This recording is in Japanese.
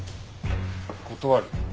断る？